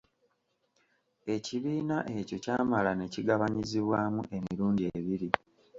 Ekibiina ekyo kyamala ne kigabanyizibwamu emirundi ebiri.